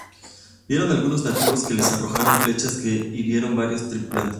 Vieron algunos nativos, que les arrojaron flechas, que hirieron a varios tripulantes.